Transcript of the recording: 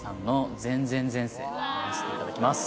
打たせていただきます